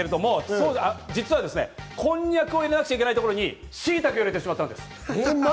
実はこんにゃくを入れなきゃいけないところに、しいたけを入れてしまったんです。